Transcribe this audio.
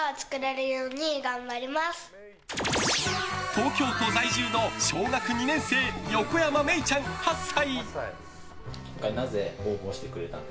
東京都在住の小学２年生横山愛以ちゃん、８歳。